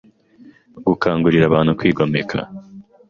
gukangurira abantu kwigomeka,